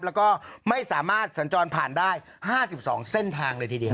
แล้วก็ไม่สามารถสัญจรผ่านได้๕๒เส้นทางเลยทีเดียว